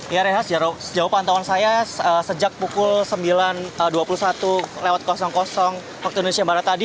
ya rehat sejauh pantauan saya sejak pukul sembilan dua puluh satu waktu indonesia barat tadi